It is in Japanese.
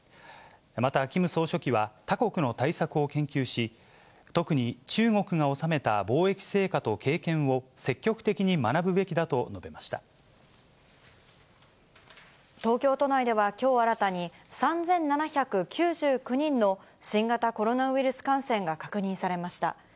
また、キム総書記は、他国の対策を研究し、特に中国が収めた防疫成果と経験を、積極的に学ぶべきだと述べま東京都内ではきょう新たに、３７９９人の新型コロナウイルス感染が確認されました。